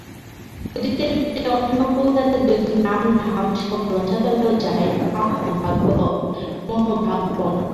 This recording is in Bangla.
ক্ষুধিতের পেটে অন্ন পৌঁছাতে যদি নাম ধাম সব রসাতলেও যায়, অহোভাগ্য-মহোভাগ্যম্।